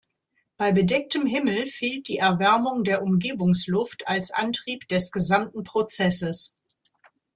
Bei bedecktem Himmel fehlt die Erwärmung der Umgebungsluft als Antrieb des gesamten Prozesses.